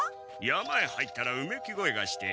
山へ入ったらうめき声がして。